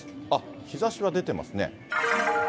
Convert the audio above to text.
日ざしは出てますね。